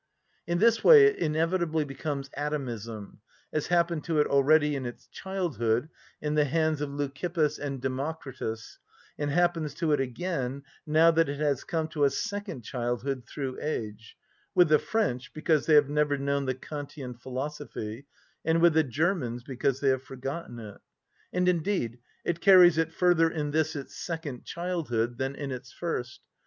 In this way it inevitably becomes atomism; as happened to it already in its childhood in the hands of Leucippus and Democritus, and happens to it again now that it has come to a second childhood through age; with the French because they have never known the Kantian philosophy, and with the Germans because they have forgotten it. And indeed it carries it further in this its second childhood than in its first.